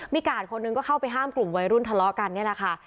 มีกาดคนหนึ่งก็เข้าไปห้ามกลุ่มวัยรุ่นทะเลาะกันนี่แหละค่ะ